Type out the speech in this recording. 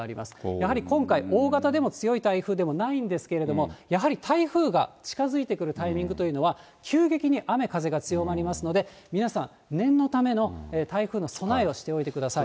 やはり今回、大型でも強い台風でもないんですけれども、やはり台風が近づいてくるタイミングというのは、急激に雨、風が強まりますので、皆さん、念のための台風の備えをしておいてください。